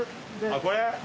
あっこれ？